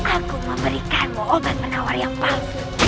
aku memberikanmu obat menawar yang palsu